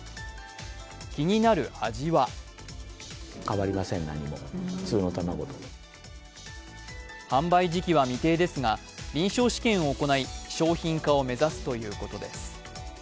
気になる味は販売時期は未定ですが臨床試験を行い商品化を目指すということです。